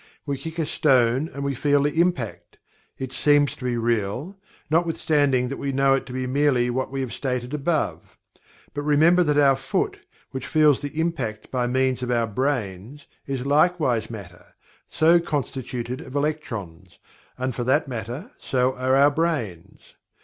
We kick a stone and we feel the impact it seems to be real, notwithstanding that we know it to be merely what we have stated above. But remember that our foot, which feels the impact by means of our brains, is likewise Matter, so constituted of electrons, and for that matter so are our brains.